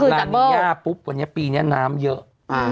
ลานิยาปุ๊บวันนี้ปีนี้น้ำเยอะ